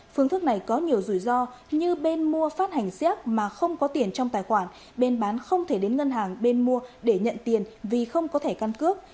phương thức này có nhiều rủi ro như bên mua phát hành xét mà không có tiền trong tài khoản bên bán không thể đến ngân hàng bên mua để nhận tiền vì không có thẻ căn cước